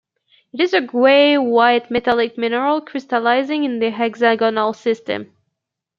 It is a gray white metallic mineral crystallizing in the hexagonal system.